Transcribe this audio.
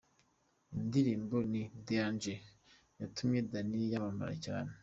Indirimbo ’Ni danger’ yatumye Danny yamamara cyane:.